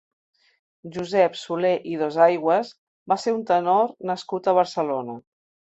Josep Soler i Dosaigües va ser un tenor nascut a Barcelona.